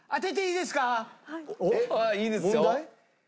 いいですよ。